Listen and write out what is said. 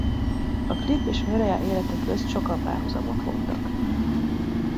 A klip és Mariah élete közt sokan párhuzamot vontak.